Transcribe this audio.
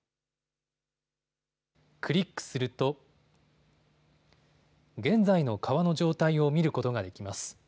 クリックすると、現在の川の状態を見ることができます。